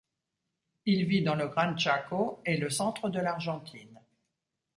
Il vit dans le Gran Chaco et le centre de l'Argentine.